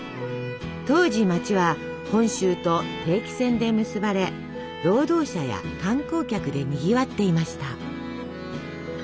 当時街は本州と定期船で結ばれ労働者や観光客でにぎわっていました。